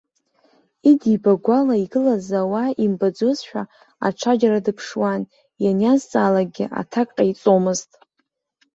Идибагәала игылаз ауаа имбаӡозшәа, аҽаџьара дыԥшуан, ианиазҵаалакгьы, аҭак ҟаиҵомызт.